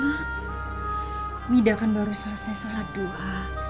hamidah kan baru selesai sholat duha